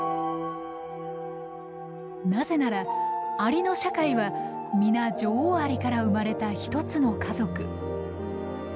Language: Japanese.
なぜならアリの社会は皆女王アリから生まれた一つの家族。